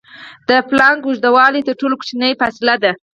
د پلانک اوږدوالی تر ټولو کوچنۍ فاصلې ده.